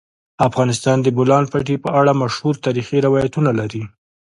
افغانستان د د بولان پټي په اړه مشهور تاریخی روایتونه لري.